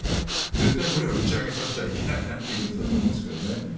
絶対これは打ち上げさせちゃいけないなということだと思うんですけどね。